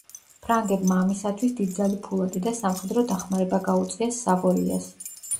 ფრანგებმა ამისათვის დიდძალი ფულადი და სამხედრო დახმარება გაუწიეს სავოიას.